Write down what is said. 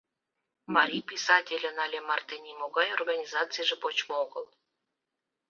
Марий писательын але марте нимогай организацийже почмо огыл.